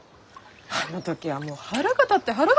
あの時はもう腹が立って腹が立って！